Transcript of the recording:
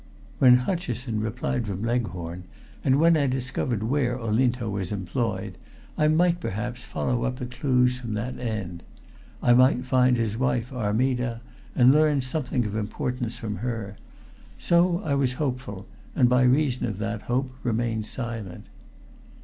When Hutcheson replied from Leghorn, and when I discovered where Olinto was employed, I might perhaps follow up the clues from that end. I might find his wife Armida and learn something of importance from her. So I was hopeful, and by reason of that hope remained silent.